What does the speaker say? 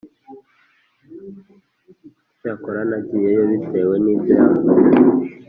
Icyakora nagiyeyo bitewe n ibyo yavuze